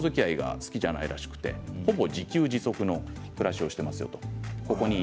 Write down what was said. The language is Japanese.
あんまり、人づきあいが好きじゃないらしくてほぼ自給自足の暮らしをしていますよと。